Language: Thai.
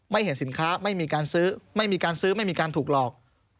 เห็นสินค้าไม่มีการซื้อไม่มีการซื้อไม่มีการถูกหลอก